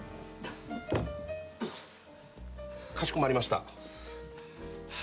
かしこまりました。